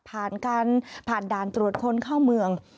ผ่านด่านตรวจคนเข้าเมือง